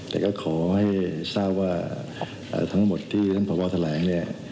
แต่ก็ขอให้ท่านทราบว่าทั้งหมดที่ท่านประวัติแหลง